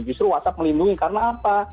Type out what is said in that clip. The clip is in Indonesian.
justru whatsapp melindungi karena apa